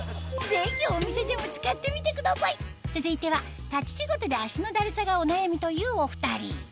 ぜひお店でも使ってみてください続いては立ち仕事で足のだるさがお悩みというお２人